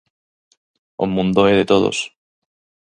O mundo é de todos.